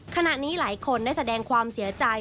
ขณะนี้หลายคนได้แสดงความเสียใจ